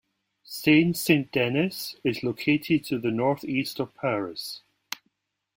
Seine-Saint-Denis is located to the northeast of Paris.